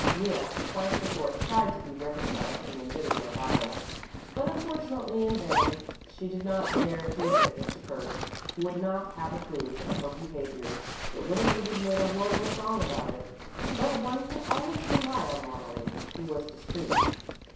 Mea had twice before tried to be reconciled to the embittered Elvira, but unfortunately in vain. She did not dare to admit this to Kurt, who would not have approved of her behaviour but would have even made a horrible song about it. But one could always rely on Loneli, who was discreet.